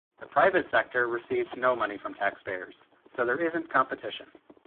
The private sector receives no money from taxpayers, so there isn't competition.